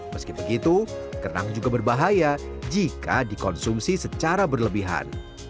meski begitu kenang juga berbahaya jika dikonsumsi secara berlebihan